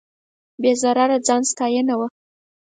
بې ضرره ځان ستاینه وه.